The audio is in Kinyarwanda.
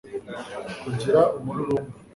kugira umururumba